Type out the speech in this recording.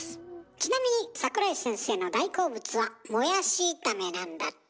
ちなみに櫻井先生の大好物はモヤシ炒めなんだって！